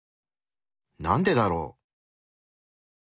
なんでだろう？